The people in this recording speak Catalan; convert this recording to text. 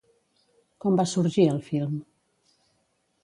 Com va sorgir el film?